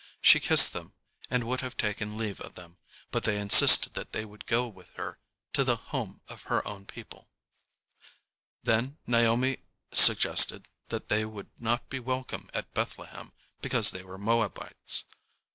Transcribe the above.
She kissed them and would have taken leave of them, but they insisted that they would go with her to the home of her own people. [Illustration: "NAOMI BID RUTH AND ORPAH RETURN."] Then Naomi suggested that they would not be welcome at Bethlehem because they were Moabites.